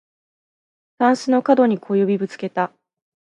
たんすのかどに小指ぶつけた